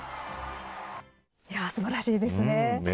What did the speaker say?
素晴らしいですね。